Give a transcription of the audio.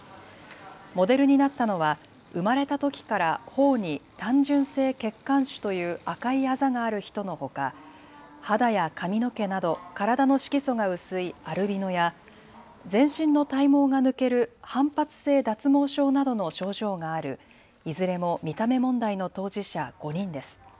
モデルになったのは生まれたときからほおに単純性血管腫という赤いあざがある人のほか肌や髪の毛など体の色素が薄いアルビノや、全身の体毛が抜ける汎発性脱毛症などの症状がある、いずれも見た目問題の当事者５人です。